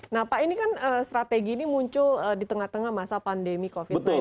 nah pak ini kan strategi ini muncul di tengah tengah masa pandemi covid sembilan belas